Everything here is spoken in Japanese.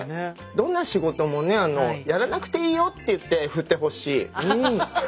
どんな仕事もねやらなくていいよって言って振ってほしい。